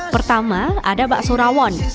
pertama ada bakso rawon